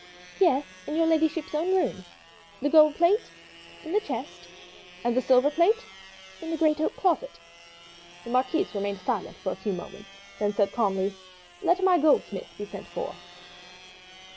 "Yes, in your ladyship's own room." "The gold plate?" "In the chest." "And the silver plate?" "In the great oak closet." The marquise remained silent for a few moments, and then said calmly, "Let my goldsmith be sent for."